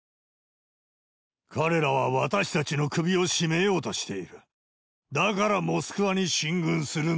彼らは私たちの首を締めようとしている。